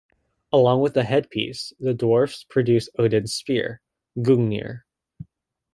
Along with the headpiece, the dwarfs produced Odin's spear, Gungnir.